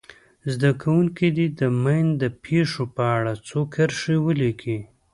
زده کوونکي دې د ماین د پېښو په اړه څو کرښې ولیکي.